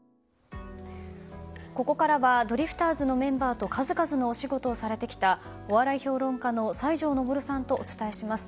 ここからはドリフターズのメンバーと数々のお仕事をされてきたお笑い評論家の西条昇さんとお伝えします。